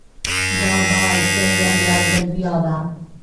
دا به زه یم، یو ځل بیا به